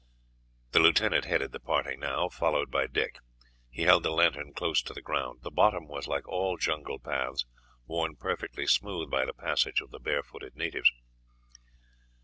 The lieutenant headed the party now, followed by Dick. He held the lantern close to the ground; the bottom was, like all jungle paths, worn perfectly smooth by the passage of the barefooted natives.